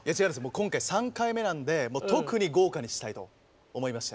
今回３回目なんで特に豪華にしたいと思いまして。